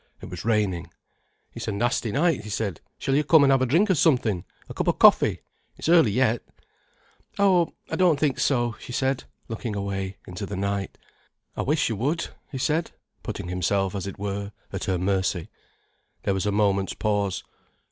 It was raining. "It's a nasty night," he said. "Shall you come and have a drink of something—a cup of coffee—it's early yet." "Oh, I don't think so," she said, looking away into the night. "I wish you would," he said, putting himself as it were at her mercy. There was a moment's pause.